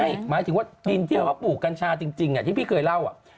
หมายถึงว่าดินที่เขาปลูกกัญชาจริงที่พี่เคยเล่า